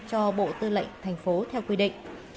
cho bộ tư lệnh tp hcm theo quy định